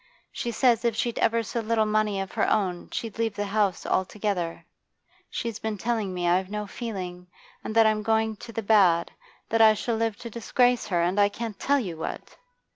She says if she'd ever so little money of her own, she'd leave the house altogether. She's been telling me I've no feeling, and that I'm going to the bad, that I shall live to disgrace her, and I can't tell you what.